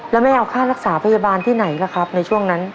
แล้วแม่เอาค่ารักษาพยาบาลที่ไหนล่ะครับในช่วงนั้น